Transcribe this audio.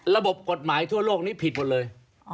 ระบบกฎหมายทั่วโลกนี้ผิดหมดเลย